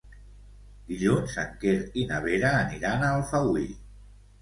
Dilluns en Quer i na Vera aniran a Alfauir.